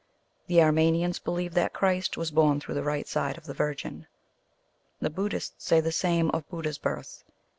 The Armenians believe that Christ was born through the right side of the Virgin. The Buddhists say the same of Buddha s birth.